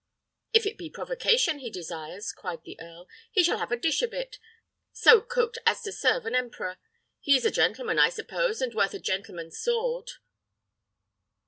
"If it be provocation he desires," cried the earl, "he shall have a dish of it, so cooked as to serve an emperor. He is a gentleman, I suppose, and worth a gentleman's sword?"